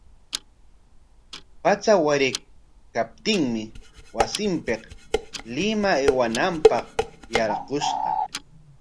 Patsa waraykaptinmi wasinpik Limapa aywananpaq yarqushqa.